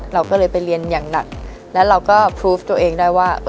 เราก็เลยไปเรียนอย่างหนักแล้วเราก็พลูฟตัวเองได้ว่า